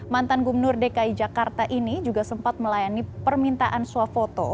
mantan gubernur dki jakarta ini juga sempat melayani permintaan swafoto